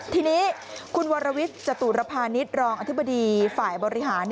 ทีนี้คุณวรวิทย์จตุรพาณิชย์รองอธิบดีฝ่ายบริหาร